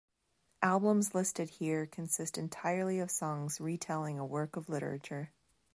Albums listed here consist entirely of songs retelling a work of literature.